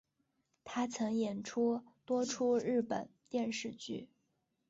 她曾演出多出日本电视剧。